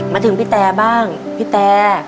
มาถึงพี่แตบ้างพี่แต